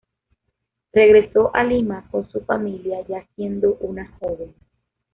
Regresó a Lima con su familia ya siendo una joven.